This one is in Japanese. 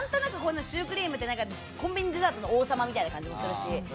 シュークリームってコンビのデザートの王様みたいな感じするし。